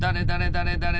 だれだれ